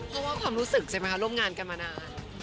เพราะว่าความรู้สึกใช่ไหมคะร่วมงานกันมานาน